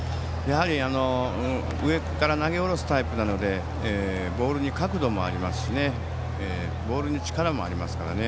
上から投げ下ろすタイプなのでボールに角度もありますしボールに力もありますからね。